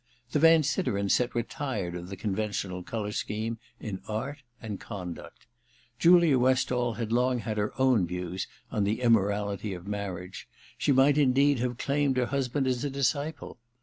The Van Sideren set were tired of the conventional colour scheme in art and conduct. Julia Westall had long had her own views on the immorality of marriage ; she might indeed. I THE RECKONING 199 have claimed her husband as a disciple.